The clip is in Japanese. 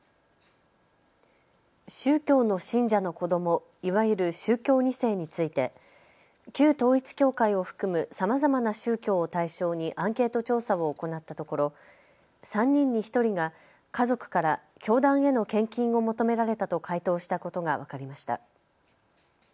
宗教の信者の子ども、いわゆる宗教２世について旧統一教会を含むさまざまな宗教を対象にアンケート調査を行ったところ３人に１人が家族から教団への献金を求められたと回答したことが分かりました。